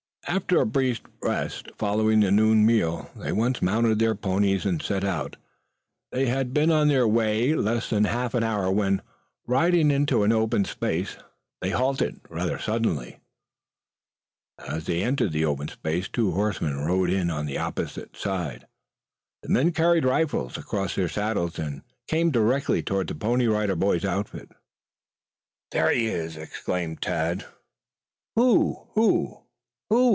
After a brief rest following the noon meal they once more mounted their ponies and set out. They had been on their way less than an hour when, riding out into an open space, they halted rather suddenly. As they entered the open space two horsemen rode in on the opposite side. The men carried rifles across their saddles, and came directly toward the Pony Rider Boys' outfit. "There he is!" exclaimed Tad. "Who who who?"